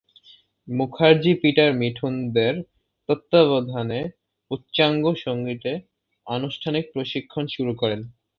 Mukherjee Peter Mithun দে’র তত্ত্বাবধানে উচ্চাঙ্গ সঙ্গীতে আনুষ্ঠানিক প্রশিক্ষণ শুরু করেন।